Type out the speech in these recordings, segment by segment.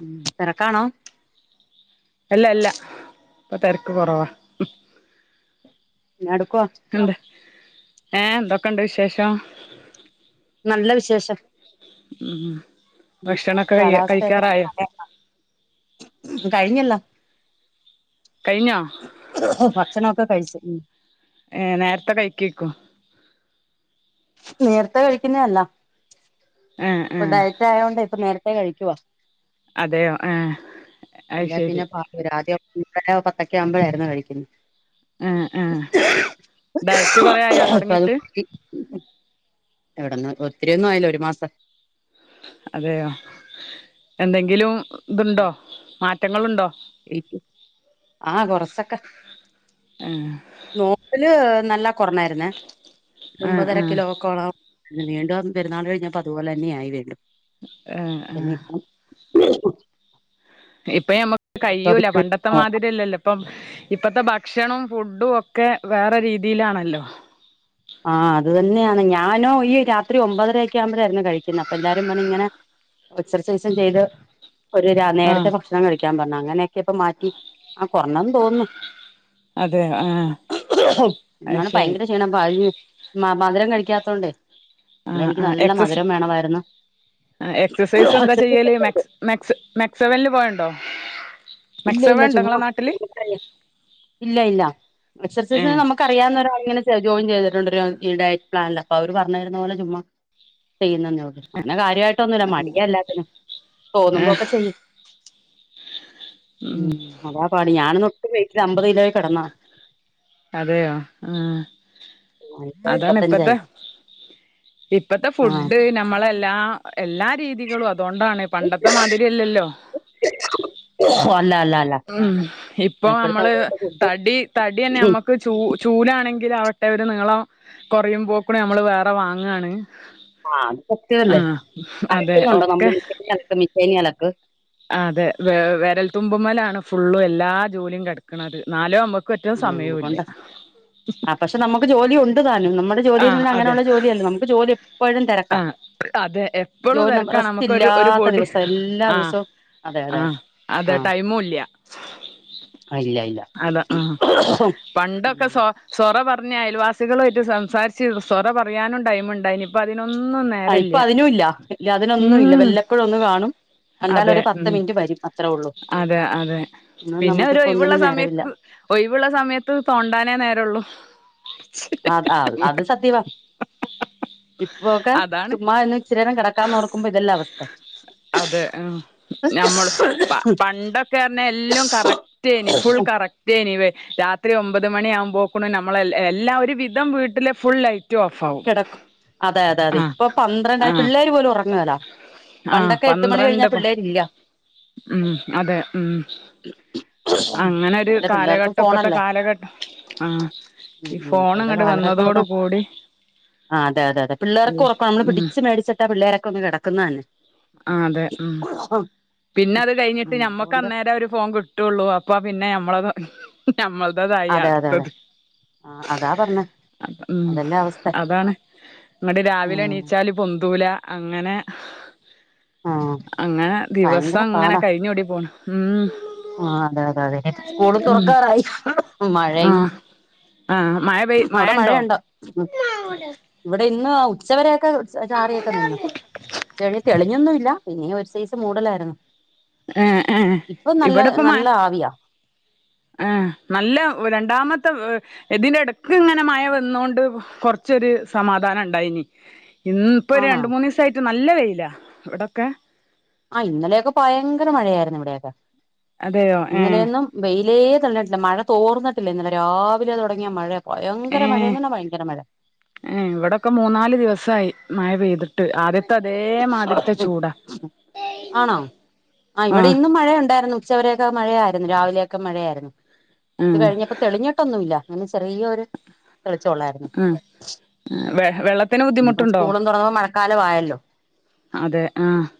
ഉം തെരക്കാണോ. അല്ല അല്ല ഇപ്പൊ തെരക്ക് കൊറവാ. എന്നാ എടുക്കുവാ. ഉണ്ട് ഏഹ് എന്തൊക്ക്‌ണ്ട് വിശേഷം. നല്ല വിശേഷം. ഉം ഭക്ഷണൊക്കെ കഴ കഴിക്കാറായോ. ആഹ് കഴിഞ്ഞല്ലോ. കഴിഞ്ഞോ. ഓഹ് ഭക്ഷണൊക്കെ കഴിച്ച് ഉം. ഏഹ് നേരത്തെ കഴിക്കയ്ക്കും. നേരത്തെ കഴിക്കുന്നേ അല്ല. ഏ ഏ ഇപ്പൊ ഡയറ്റ് ആയോണ്ട് ഇപ്പ നേരത്തേ കഴിക്കുവാ. അതെയോ ഏഹ് അത് ശരി. ഒരു ആദ്യം ഒൻപതോ പത്തക്കെ ആവുമ്പഴായിയിരുന്നു കഴിക്കുന്നത്. ആഹ് ആഹ് ഡയറ്റ് കൊറേ ആയോ ഇപ്പ അത് തൊടങ്ങിയിട്ട്. മാറ്റി എവിടന്ന് ഒത്തിരിയന്നും ആയില്ല ഒരു മാസം. അതെയോ എന്തെങ്കിലും ഇതുണ്ടോ മാറ്റങ്ങളുണ്ടോ. ആഹ് കൊറച്ചൊക്കെ. ഉം നോബ് ല് നല്ല കൊറഞായിരുന്നേ ഏ ഒമ്പതര ഏ കിലോക്കോളം. വീണ്ടും പെരുന്നാൾ കഴിഞ്ഞപ്പ അതുപോലെ തന്നെയായി വീണ്ടും ഏ ഏ എനിയിപ്പം [unintelligible] ഇപ്പം നമ്മക്ക് കഴൂല പണ്ടത്തെ മാതിരില്ലല്ലോ ഇ പ്പം ഇപ്പത്തെ ഭക്ഷണവും ഫുഡും ഒക്കെ വേറെ രീതിയിലാണല്ലോ. ആഹ് അത് തന്നെയാണ് ഞാനോ ഈ രാത്രി ഒമ്പതര യക്കെ ആവുമ്പോഴായിരുന്നു കഴിക്കുന്നേ അപ്പൊ എല്ലാരും പറഞ്ഞു ഇങ്ങനെ എക്സസൈസും ചെയ്ത് ഒരു രാ ആ നേരത്തെ ഭക്ഷണം കഴിക്കാൻ പറഞ്ഞു അങ്ങനെയൊക്കെ ഇപ്പം മാറ്റി ആ കൊറഞ്ഞന്ന് തോന്നുന്നു. അതെ ആഹ് അത് ന്നാൾ ശരി ഭയങ്കര ക്ഷീണം [unintelligible] മ മധുരം കഴിക്കാത്തോണ്ടേ അന്ന് ആഹ് എനിക്ക് ആഹ് നല്ല എക്സസ്‌ മധുരം വേണമായിരുന്നു എക്സസൈസ് എന്താ ചെയ്യല് മെക്സെ മെക്സ്‌ മെക്സവൻല് പോവലുണ്ടോ ഇല്ല ഇല്ല മെക്സവൻ ണ്ടോ ങ്ങളെ ചുമ്മാ നാട്ടില്. ഇല്ല ഇല്ല എക്സസൈസ് ഏഹ് നമുക്ക് അറിയാവുന്നരു [unintelligible] ജോയിൻ ചെയ്തിട്ടുണ്ട് ഈ ഡയറ്റ് പ്ലാനില് അപ്പ അവര് പറഞ്ഞു തരുന്ന പോലെ ചുമ്മ ചെയ്യുന്നന്നേള്ളു. അങ്ങനെ കാര്യായിട്ടൊന്നുല്ല മടിയാ എല്ലാത്തിനും ഏഹ് തോന്നുമ്പോക്കെ ചെയ്യും. ഉം അതാ പാട് ഞാനൊന്നും ഒറ്റ വൈട്ടില് അമ്പത് കിലോയില് കെടന്നാ. അതേയോ ആഹ് ഇപ്പ അതാണ് ഇപ്പത്തെ എമ്പത്തഞ്ചായി ഇപ്പത്തെ ആഹ് ഫുഡ് നമ്മളെ എല്ലാ എല്ലാ രീതികളും അതുകൊണ്ടാണ് പണ്ടത്തെ മാതിരിയല്ലല്ലോ ഓ അല്ല അല്ല അല്ല ഉം ഇപ്പൊ ഇപ്പോഴത്തെ നമ്മള് അവിടുത്തെ ഫുഡ് തടി തടി തന്നെ നമ്മക്ക് ചൂ ചൂലാണെങ്കിൽ ആവട്ടെ ഒര് നീളം കൊറയും പോക്കൂ ന് നമ്മള് വേറെ വാങ്ങാണ് ആഹ് അത് സത്യമല്ലെ ആഹ് അതെ അലക്കുന്നുണ്ടോ ഒക്കെ നമ്മള് മേ അലക്ക് മിഷേനി അലക്ക് അതെ വിരൽത്തുമ്പുമ്മേലാണ് ഫുള്ളും എല്ലാ ജോലിയും കിടക്കണത് ന്നാലും മമക്ക് ഒറ്റും ഉം സമയവും ഇല്ല അതുകൊണ്ടാ ആഹ് പക്ഷെ നമുക്ക് ജോലി ഉണ്ട് താനും നമ്മുടെ ആഹ് ജോലീന്നുള്ള അതെ അങ്ങനെയുള്ള ജോലിയല്ല നമുക്ക് ജോലി എപ്പോഴും തിരക്കാ ആഹ് അതെ എപ്പഴും ജോലി തിരക്കാണ് റെസ്റ്റ് നമുക്കൊരു ഒരു ഇല്ലാത്ത പൊടി ദിവസം എല്ലാ ആഹ് ദിവസവും അതെ അതെ ആഹ് അതെ ആഹ് ടൈമും ഇല്ല ഇല്ല ഇല്ല അതാ ആഹ് പണ്ടൊക്കെ ഉം സൊ സൊറ പറഞ്ഞ് ആയൽവാസികളുമായിട്ട് സം സംസാരിച്ചിരുന്ന് സൊറ പറയാനും ടൈമുണ്ടായിനി ഇപ്പം അതിനൊന്നും നേ ആഹ് ഇപ്പൊ അതിനും ഇല്ല ഇല്ല അതിനൊന്നുമില്ല വെല്ലപ്പൊഴും ഒന്ന് കാണും കണ്ടാൽ അതെ ഒരു പത്ത് ഉം മിനിറ്റ് വരും അത്രേ ഉള്ളൂ അതെ അതെ ഇന്നും പിന്നെ ഒരു നമുക്കിപ്പോ ഒഴിവുള്ള ഒന്നിനും നേരമില്ല സമയത്ത് ഒഴിവുള്ള സമയത്ത് തോണ്ടാനേ നേരമുള്ളൂ ആഹ് ആഹ് അത് സത്യവാ ഇപ്പൊ ഒക്കെ അതാണ് ചുമ്മാ ഒന്ന് ഇച്ചിരിനേരം കിടക്കാന്ന് ഓർക്കുമ്പോ ഇതല്ലേ അവസ്ഥ നമ്മള് പണ്ടൊക്കെന്ന് പറഞ്ഞാൽ എല്ലാം കറക്റ്റായിനി ഫുൾ കറ എനിവേ രാത്രി ഒമ്പത് മണി ക്ടായിനി രാത്രി ഒൻപത് മണി ആകുമ്പോക്കണ് നമ്മള് എല്ലാം ഒരു വിധം വീട്ടിലെ ഫുൾ ലൈ റ്റും ഓഫാവും കിടക്കും അതെ അതെ അതെ ആഹ് ഇപ്പം പന്ത്രണ്ടായി ആഹ് പിള്ളേര് പോലും ഉറങ്ങുകേല ആഹ് പണ്ടൊക്കെ എട്ട് മണി പന്ത്രണ്ട് കഴിഞ്ഞാൽ പ പിള്ളേരില്ല ഉം അതെ ഉം അങ്ങനൊരു അല്ല പിള്ളേർക്കും കാലഘട്ടം ഇപ്പത്തെ ഫോണല്ലേ കാലഘട്ടം ആഹ് ഉം ഈ ഉം ഫോൺ ഇപ്പോഴത്തെ ഇങ്ങട്ട് വന്നതോടു കൂടി ആഹ് അതെ അതെ അതെ അൽ പിള്ളേർക്ക് ഉറക്കം നമ്മള് ഉം പിടിച്ച് മേടിച്ചിട്ടാ പിള്ളേരൊക്കെ ഒന്ന് കിടക്കുന്ന തന്നെ ആഹ് അതെ ഉം പിന്നെ അത് കഴിഞ്ഞിട്ട് ഉം ഞമ്മക്ക് അതുകൊണ്ട് അന്നേരം ഒരു ഫോൺ കി ട്ടൂള്ളൂ അപ്പം പിന്നെ ഞമ്മള് ഞമ്മളതായി അതെ അതെ അതെ അടുത്തത് ആ അതാ പറഞ്ഞെ ഉം അതല്ലേ അവസ്ഥ അതാണ് എന്നിട്ട് രാവിലെ ഉം എണീച്ചാലും പൊന്തൂല അങ്ങനെ ആ അങ്ങനെ ഭയങ്കര ദിവസം അങ്ങനെ കഴിഞ്ഞ് കൂടി പോണ് ഉം ആഹ് അതെ അതെ അതെ സ്കൂളും ഉം തുറക്കാറായി മഴയും ആഹ് ആഹ് മഴ പെയ് മഴ അവിടെ ഇണ്ടോ മഴയുണ്ടോ ഇവിടെ ഇന്ന് ഉച്ച വരയൊക്കെ ചാറിയൊക്കെ നിന്ന് പക്ഷേ ഇന്ന് തെളിഞ്ഞൊന്നും ഇല്ല പിന്നെ ഈ ഒരു സൈസ് മൂടലായിരുന്നു ഏഹ് ഏഹ് ഇപ്പൊ നല്ല ഇവിടിപ്പം മ നല്ല ആവിയാ നല്ല രണ്ടാമത്ത് ഏഹ് ഇതിന്റെ ഇടക്ക് ഇങ്ങനെ മയ വന്നോണ്ട് കൊറച്ചൊരു സമാധാനം ഉണ്ടായിനി ഇന്ന് ഇപ്പോ ഒരു ആണോ രണ്ട് മൂന്ന് ദിവസായിട്ട് നല്ല വെയിലാ ഇവിടൊക്കെ ആഹ് ഇന്നലെയൊക്കെ ഭയങ്കര മഴയായിരുന്നു ഇവിടെയൊക്കെ അതെയോ ഏഹ് ഇന്നലെയൊന്നും വെയിലേ തെളിഞ്ഞിട്ടില്ല മഴ തോർന്നിട്ടില്ല ഇന്നലെ രാവിലേ തുടങ്ങിയ മഴ ഭയങ്കര മഴയെന്ന് പറഞ്ഞാ ഭയങ്കര മഴ ഏഹ് ഇവിടൊക്കെ മൂന്ന് നാല് ദിവസായി മഴ പെയ്തിട്ട് ആദ്യ ആണോ ആഹ് ഇവിടെ ഇന്നും മഴ ഉണ്ടായിരുന്നു ഉച്ചവരെയൊക്കെ മഴയായിരുന്നു രാവിലെയൊക്കെ മഴയായിരുന്നു ഉച്ച ആഹ് കഴിഞ്ഞപ്പം തെളിഞ്ഞിട്ടൊന്നുവില്ല അങ്ങനെ ചെറിയൊരു തെളിച്ചം ഉള്ളായിരുന്നു ആഹ് വെ വെള്ളത്തിന് ഇനിയിപ്പോ ബുദ്ധിമുട്ടുണ്ടോ സ്കൂളും തുടങ്ങുമ്പം മഴക്കാലവായല്ലോ അതെ ആഹ്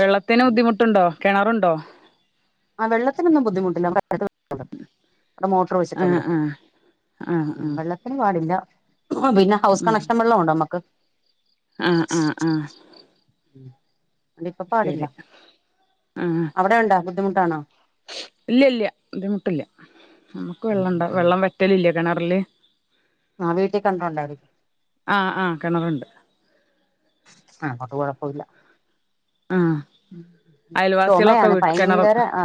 വെള്ളത്തിന് ബുദ്ധിമുട്ടുണ്ടോ കിണറുണ്ടോ ആ വെള്ളത്തിനൊന്നും ബുദ്ധിമുട്ടില്ല അവിടെ കുഴൽ ഉണ്ട് അവിടെ മോട്ടർ ആഹ് വെച്ചിട്ടുണ്ട്. ആഹ് ആഹ് വെള്ളത്തിന് പാടില്ല പിന്നെ ഹൗസ് കണക്ഷൻ വെള്ളമുണ്ട് നമുക്ക് ആഹ് ആഹ് ആഹ് അത് കൊണ്ട് ഇപ്പ പാടില്ല ശരി അവിടെയുണ്ടോ ബുദ്ധിമുട്ടാണോ ഇല്ലില്ല ബുദ്ധിമുട്ടില്ല നമ്മുക്ക് വെള്ളം ഉണ്ട് വെള്ളം വറ്റലില്ല കെണറില് ആഹ് വീട്ടിൽ കിണർ ഉണ്ടായിരിക്കും ആഹ് ആഹ് കെണറുണ്ട് ആഹ് നമ്മക്ക് കൊഴപ്പമില്ല ആഹ് ഉം അയൽവാസികളൊക്കെ ചൊമയാണ് വീ കിണർ ഭയങ്കര അ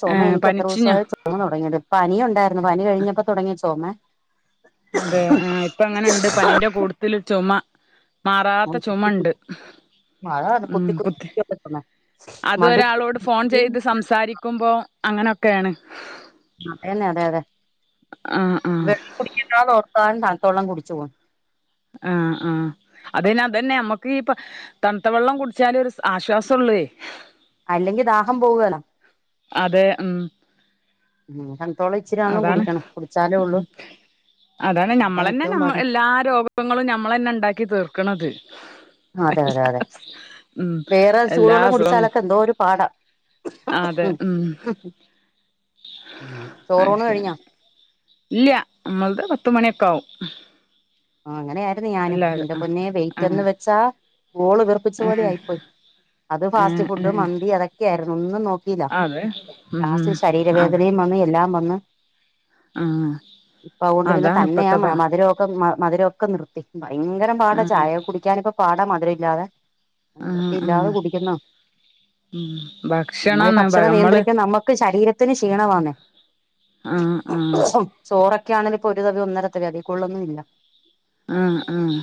ചൊമ ഏഹ് എനിക്ക് എത്ര പനിച്ചിഞ്ഞോ ദിവസവായോ ചൊ മ തൊടങ്ങിയട്ട് പനിയുണ്ടായിരുന്നു പനി കഴിഞ്ഞപ്പോ തൊടങ്ങിയ ചോമയാ അതെ ആ ഇപ്പ അങ്ങനൊണ്ട് പനീന്റെ കൂടത്തിൽ ചൊമ മാറാത്ത കുത്തി ചൊമയുണ്ട്. കുത്തി അതാണ് ഉം കുത്തി ഓക്കേ കുത്തിയുള്ള ചുമ അത് മടുപ്പ് ഒരാളോട് ഫോൺ ചെയ്ത് സംസാരി ക്കുമ്പോ അങ്ങനൊക്കേണ്. അതെന്നെ അതെയതെ. ആഹ് ആഹ് കുടിക്കില്ലാ നോർത്താൽ തണ്ത്തള്ളം കുടിച്ച് പോവും. ആഹ് ആഹ് അതിനതന്നെ നമ്മുക്കീ പ തണ്ത്ത വെള്ളം കുടിച്ചാലൊരു ആശ്വാസംള്ളേ അല്ലെങ്കി ദാഹം പോവാണ് അതെ ഉം ഉ തണ്ത്തവെള്ളം ഇച്ചിരിആണേലും അതാണ് കുടിക്കണം കുടിച്ചാലേള്ളൂ ഉം അതാണ് ഞമ്മളെന്നെ നമ്മ എല്ലാ രോഗങ്ങളും ഞമ്മളെന്നെണ്ടാക്കി തീർക്ക്ണത് അതെ യതെ എല്ലാ യതെ ഉം വേറെ എല്ലാ ചൂടുവെള്ളം കുടിച്ചാലൊക്കെ എന്തോരു പാടാ ആഹ് അതെ ഉം ഉം അത് ചോറൂണ് ശരി കഴിഞ്ഞോ? ഇല്ല നമ്മളത് പത്തുമണിയൊക്കാവും. അങ്ങനെയായിരുന്നു ഞാനും ന്റെ പൊന്നെ ആ വെയിറ്റെന്ന് വെച്ചാ വോള്ക്ർ സ് ആ ആ പോലെ ആയി പോയി അത് ആ ഫാസ്റ്റ് ഫുഡ് മന്തി ആ അതൊക്കെയിരുന്നു ഒന്നും നോക്കിയില്ല. അതെ ഉം ലാസ്റ്റ് ശരീര അതെ വേദനയും വന്ന് എല്ലാം വന്ന് ആ ഇപ്പ അതോണ്ട് തന്നെ അതാണ് തന്നെയ ഇപ്പത്തെ ബ മധുരവും പ്പോ മധുരൊക്കെ നിർത്തി ഭയങ്കര പാടാ ആ ചായ കുടിക്കാനിപ്പ പാടാ മധുരല്ലാതെ ആ ആ ഉം വൃത്തില്ലാതെ കുടിക്കുന്നാ നമ്മള് ഭക്ഷണാണ് ഭക്ഷണം നമ്മള് നിയന്ത്രിക്ക് നമ്മുക്ക് ശരീരത്തിന് ക്ഷീണമാന്നേ ആഹ് ആഹ് ചോറൊക്കെ ആണേല് പ്പോ ഒരു തവി ഒന്നരത്തവി അ തിൽകൂട്തലൊന്നുല്ല. ആഹ് ആഹ്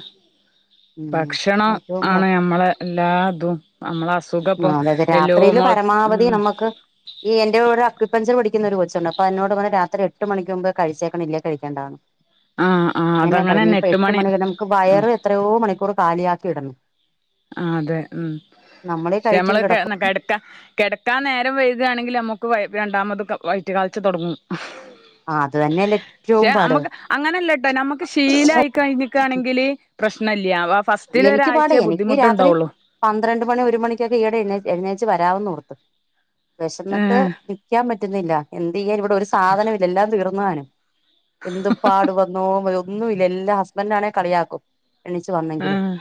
ഉം ഭക്ഷണം ഏറ്റവും ആ ആണ് നമ്മളെ എല്ലാതും നമ്മളെ അസുഖപ്പോ രാത്രീല് പരമാവധി നമ്മക്ക് ഈ എന്റെകൂട് അക്യപ്പൻഞ്ചർ പഠിക്കുന്ന ഒരു കൊച്ചുണ്ട് അപ്പോ അയെന്നോട് പറ രാത്രി എട്ട് മണിക്ക് മുമ്പേ കഴിച്ചേക്കണം ഇല്ലേ കഴിക്കേണ്ടാന്ന് [inaudible] ആഹ് ആഹ് അതാണ്. പറ നീപ്പോ എട്ട് മണിക്കെന്നെ നമുക്ക് വയറ് എത്രയോ മണിക്കൂർ കാലിയാക്കിടണം ആഹ് അതെ ഉം ക്ഷെ കഴിക്കും നമ്മള് കിടക്കും കെടക്ക കെടക്കാൻ നേരം വൈകയാണെങ്കിൽ നമുക്ക് രണ്ടാമത് വൈറ്റ് കാള്ച്ച തൊടങ്ങും. ആഹ് അത് തന്നെയല്ലെറ്റവും പാട് അങ്ങനെല്ലട്ടോ നമുക്ക് ശീലായി കഴിഞ്ഞ്ക്കാണെങ്കില് പ്രശ്നല്ല വ എനിക്ക് പാട് ഫസ്റ്റിലൊരാഴ്ചേ എനിക്ക് ബുദ്ധിമു രാത്രി പന്ത്രണ്ട് മണി ഒരു മണിക്കൊക്കെ ഈയിടെ എഴേച്ചു വരമെന്ന് കൊർത്തത്ത് വിശന്നിട്ട് ഏഹ് നിൽക്കാൻ പറ്റുന്നില്ല എന്ത് ചെയ്യാൻ ഇവിടെ ഒരു സാധനം ഇല്ല എല്ലാം തീർന്നുവാനും എന്ത് പാട് വന്നോ ഒന്നുമല്ല എല്ലാ ഹസ്ബൻറ് ആണേ കളിയാക്കും എണ്ണച്ച് വന്നെങ്കിലും ആഹ്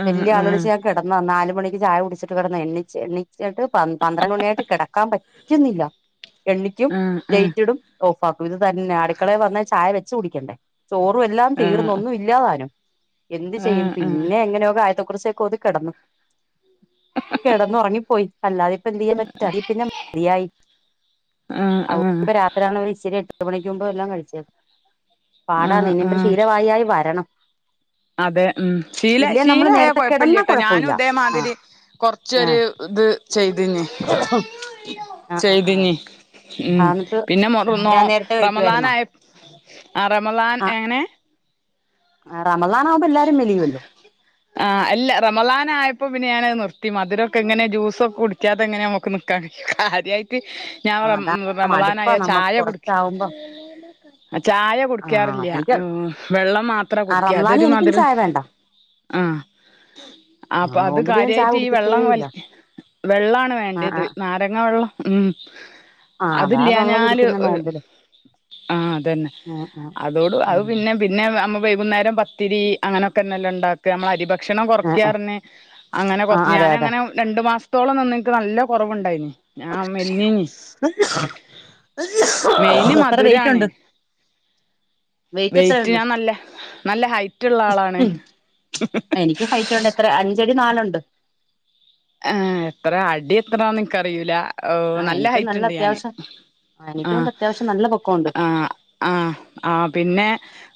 ആഹ് വെല്ലി ആഹ് ആളോളിച്ച ആ കിടന്ന നാല് മണിക്ക് ചായ കുടിച്ചട്ട് കിടന്ന എണിച്ച് എണിച്ചിട്ട് പത്ര മണിയായി് കിടാൻറ്റും ചുന്നില്ല എണ്ണിക്കും ആഹ് ലൈറ്റടും ഓഫ് ആക്കും ഇത് തന്നെ അടുക്കളെ വന്ന ചായ വെച്ച് കുടിക്കണ്ടേ ചോറും എല്ലാം തീർന്നു ഒന്നും ഇല്ലാതാനും എന്ത് ആഹ് ചെയ്യും ആഹ് ആഹ് എങ്ങനെയെ ആയത്തെക്കുറിസിക്കെ ഓതി കെടന്നു കെടന്ന് ഉറങ്ങിപ്പോയി അല്ലാതെ ഇപ്പ എന്ത് ചെയ്യാൻ പറ്റ അല്ലെ പിന്നെ മതിയായി ആഹ് ആഹ് ആഹ് [unintelligible] എത്രാണ്ർ ഇച്ചിരി എട്ട് മണിക്ക്മ്പോ എല്ലാം കഴിച്ചത് പാടാ ആഹ് ഇനിപ്പോ ആഹ് ശീല വായി വരണം അതെ ഉം ശീല ഇല്ലേ നമ്മള് ശീലായ നേരത്തെ കൊഴപ്പല്ല കിടന്നാ ട്ടോ ഞാനും കുഴപ്പമില്ല ആ ഇതേമാതിരി കൊറച്ചൊരു ഇത് ചെയ്തീനി ആഹ് ആഹ് ആഹ് ഉം പിന്നെ മൊറൊ നേരത്തെ റമളാൻ കഴിക്കുവായിരുന്നോ ആയ ആ റമളാൻ എങ്ങനെ റമളാനാകുമ്പോ എല്ലാരും മെലിയല്ലോ ആഹ് അല്ല റമളാനായപ്പോ പിന്നെ ഞാൻ അത് നിർത്തി മധുരൊക്കെ എങ്ങനെ ജൂസക്കെ കുടിച്ചാതെ എങ്ങനെ നമുക്ക് ആദ്യായിട്ട് ഞാൻ ആഹ് അതാ റമളാൻ മടുപ്പാ ആയ നമ്മക്ക് ചായ കുടു കൊറച്ചാവുമ്പോ ചായ ആഹ് കുടിക്കാറില്ല വെള്ളം മാത്ര കുടിക്കാറ് അതിനെനിക്കും ചായ വേണ്ട. ആഹ് ആഹ് അപ്പൊ അത് നോമ്പില് ഞാൻ ചായ കാര്യയിട്ട് ഈ കുടിക്കത്തേ വെള്ളം വല ഇല്ല വെള്ളാണ് ആഹ് വേണ്ടത് ആഹ് നാരങ്ങ വെള്ളം ഉം ആഹ് അതാ അതില്ല നമ്മള് ഞാല് കുടിക്കുന്ന നോമ്പില് ആഹ് അതന്നെ ഉം ഉം അതോട് അത് ഉം പിന്നെ പിന്നെ നമ്മൾ വൈകുന്നേരം പത്തിരി അങ്ങനെയൊക്കെന്നെല്ലെ ഇണ്ടാക്ക നമ്മൾ അരിഭക്ഷണം ആഹ് ആഹ് കൊറയ്ക്കറിഞ്ഞ് അങ്ങനെ ആഹ് കൊറച്ച് അതെ അതെ ഞാാനങ്ങനെ രണ്ടു മാസത്തോളം നിന്ന്നിക്ക് നല്ല കൊറവ്ണ്ടായിന് ഞ മെലിഞ്ഞീനി മെയിന് എത്ര വെയിറ്റ് മധുരാണ് ഉണ്ട് വെയിറ്റ് വെയ്റ്റ് എത്രയുണ്ട് ഞാൻ നല്ല നല്ല ഹൈറ്റ്ള്ള ആളാണ് ഉം എനിക്ക് ഹൈറ്റുണ്ട് എത്ര അഞ്ചടി നാലുണ്ട് ആഹ് എത്ര അടി എത്രാ എനിക്കറിയൂല ആഹ് നല്ല എനിക്കും ഹൈറ്റ് ഇണ്ട് ഞാന് അത്യാവശ്യം എനിക്കുണ്ട് ആഹ് അത്യാവശ്യം നല്ല പൊക്കമുണ്ട് ആഹ് ആഹ് ആഹ് പിന്നെ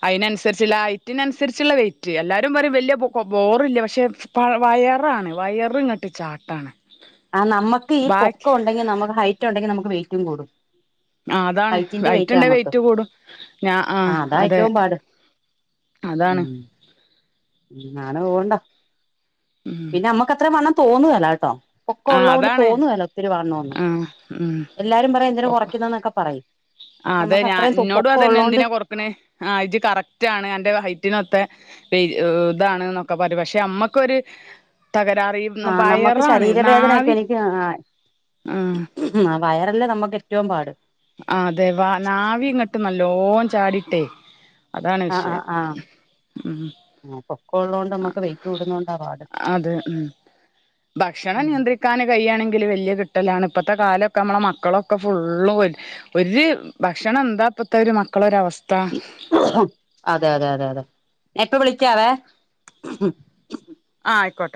അതിനനുസരിച്ചുള്ള ഹൈറ്റിനനുസരിച്ചുള്ള വെയിറ്റ് എല്ലാരും പറ വലിയ ബോറില്ല പക്ഷെ പ വയറാണ് വയറി ഇങ്ങട്ട് ചാട്ടാണ് ആഹ് നമുക്ക് ഈ ബാക്കി പൊക്ക ഇണ്ടെങ്കിൽ നമുക്ക് ഹൈറ്റ് ഇണ്ടെങ്കിൽ നമുക്ക് വെയിറ്റും കൂടും ആഹ് അതാണ് വൈറ്റ് ഹൈറ്റിന്റെ വെയിറ്റാ വെയിറ്റ്ണ്ടേൽ നമ്മക്ക് ഹൈറ്റ്കൂടും ഞാ ആഹ് അതാ അതെ ഏറ്റവും പാട് അതാണ് ഉം ഉ നാളെ പോവ്ണ്ടോ ഉം പിന്നെ നമ്മക്ക് അത്രയും വണ്ണം തോന്നുവല കേട്ടോ പോക്കെള്ളതത് ആഹ് കൊണ്ട് അതാണ് തോന്നുവല ഒത്തിരി വണ്ണമൊന്ന് ആഹ് ഉം എല്ലാരും പറയും എന്തിന പൊക്ക കുറയ്കുന്നൊക്കെ പറയും ആഹ് അതെ നമുക്ക് ഞാ അത്രയും ഇന്നോടും പൊക്കം അതന്നെ ഉള്ളോണ്ട് എന്തിനാ കൊറക്കണെ ആഹ് ഇജ്ജ് കറക്റ്റ് ആണ് അന്റെ ഹൈറ്റിനൊത്ത ഇതാണ് ന്നൊക്കെ പറയും പക്ഷെ അമ്മക്കൊരു തകരാറും ആഹ് നമ്മക്ക് ശരീരവേദനയൊക്കെ എനിക്ക് ആഹ് ആഹ് ഉം വയറല്ലേ നമുക്ക് ഏറ്റവും പാട് ആഹാ അതെ വ നാവി ഇങ്ങിട്ട് നല്ലോ ചാടിട്ടേ അതാണ് ആഹ് ആഹ് വിഷയം ഉം ആഹഹ് കൊള്ളോണ്ട് നമ്മുക്ക് വെയറ്റ് കൂടുന്നൊണ്ടാ പാട് അതെ ഉ കക്കാൻ കൈ്യയാണെങ്കിൽ വലിയ കിട്ടലാണ് ഇപ്പോഴത്തെ കാലമൊക്കെ നമ്മളുടെ മക്കളൊക്കെ ഫുള്ള് ഒരു ഭക്ഷണം എന്താപ്പത്ത ഒരു മക്കളൊര അവസ്ഥ അതെ അതെ അതെ അതെ ഇപ്പ വിളിക്കാവേ ആഹ് ആയിക്കോട്ടെ